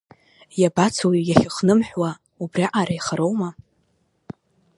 Иабацои иахьхнымҳәуа, уиаҟара ихароума?